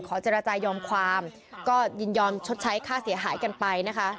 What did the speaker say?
เจรจายอมความก็ยินยอมชดใช้ค่าเสียหายกันไปนะคะ